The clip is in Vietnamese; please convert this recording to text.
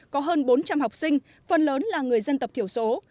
có hơn bốn trăm linh học sinh phần lớn là người dân tộc thiểu số